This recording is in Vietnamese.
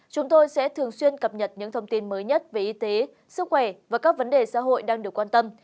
chúng tôi sẽ thường xuyên cập nhật những thông tin mới nhất về y tế sức khỏe và các vấn đề xã hội đang được quan tâm